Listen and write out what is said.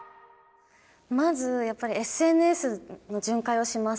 まずやっぱりＳＮＳの巡回をします。